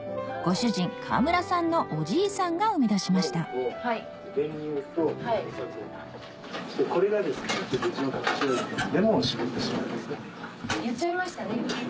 ご主人川村さんのおじいさんが生み出しました練乳と砂糖。